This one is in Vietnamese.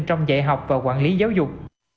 trong dạy học và quản lý giáo dục